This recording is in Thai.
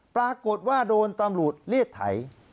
ปรากฏว่าโดนตำรวจเรียกไถ